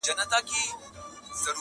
o يار د يار له پاره خوري د غوايي غوښي٫